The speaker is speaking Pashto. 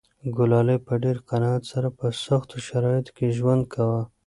ګلالۍ په ډېر قناعت سره په سختو شرایطو کې ژوند کاوه.